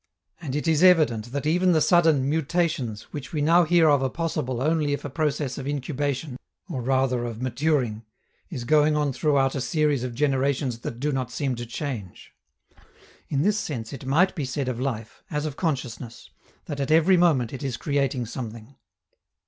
And it is evident that even the sudden "mutations" which we now hear of are possible only if a process of incubation, or rather of maturing, is going on throughout a series of generations that do not seem to change. In this sense it might be said of life, as of consciousness, that at every moment it is creating something.